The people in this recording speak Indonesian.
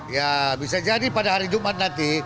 ya bisa jadi pada hari jumat nanti